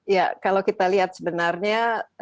ya kalau kita lihat sebenarnya